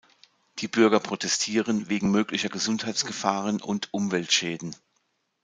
Die Bürger protestierten wegen möglicher Gesundheitsgefahren und Umweltschäden.